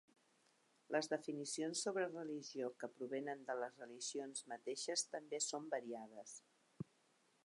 Les definicions sobre religió que provenen de les religions mateixes també són variades.